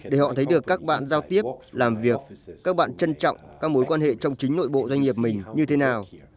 để họ thấy được các bạn giao tiếp làm việc các bạn trân trọng các mối quan hệ trong chính nội bộ doanh nghiệp mình như thế nào